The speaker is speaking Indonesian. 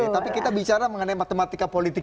tapi kita bicara mengenai matematika politik